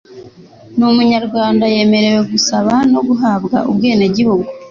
n'umunyarwanda yemerewe gusaba no guhabwa ubwenegihugu